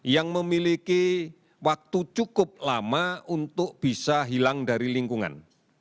yang memiliki waktu cukup lama untuk bisa hilang dari lingkungan